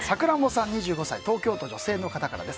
２５歳、東京都女性の方からです。